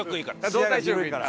動体視力いいから。